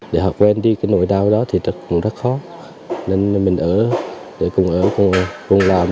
để họ quen đi cái nỗi đau đó thì cũng rất khó nên mình ở để cùng ở cùng làm